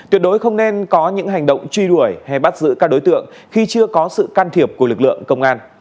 tuyệt đối không nên có những hành động truy đuổi hay bắt giữ các đối tượng khi chưa có sự can thiệp của lực lượng công an